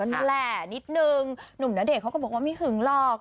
นั่นแหละนิดนึงหนุ่มณเดชนเขาก็บอกว่าไม่หึงหรอก